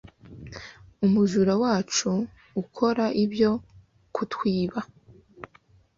Umujura wacu ukora ibyo kutwiba